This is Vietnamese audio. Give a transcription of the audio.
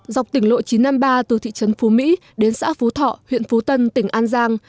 dọc tỉnh lộ chín trăm năm mươi ba từ thị trấn phú mỹ đến xã phú thọ huyện phú tân tỉnh an giang